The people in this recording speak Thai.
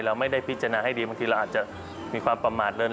เราไม่ได้พิจารณาให้ดีบางทีเราอาจจะมีความประมาทเลิน